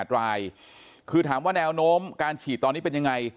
๘รายคือถามว่าแนวโน้มการฉีดตอนนี้เป็นยังไง